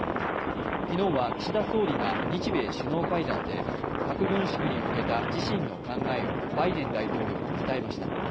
昨日は岸田総理が日米首脳会談で核軍縮に向けた自身の考えをバイデン大統領に伝えました。